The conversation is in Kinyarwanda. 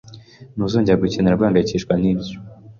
Ntuzongera gukenera guhangayikishwa nibyo